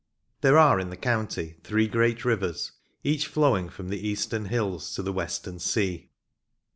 There are in the county three great rivers, each flowing from the eastern hills to the western sea.